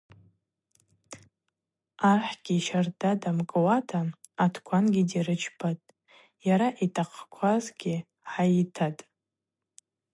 Ахӏгьи щарда дамкӏуата атквангьи дирычпатӏ, йара йтахъквазгьи гӏайыйтатӏ.